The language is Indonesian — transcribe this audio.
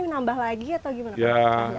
menambah lagi atau gimana